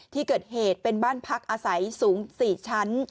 ที่เกิดเหตุเป็นบ้านพักอาศัยสูง๔ชั้น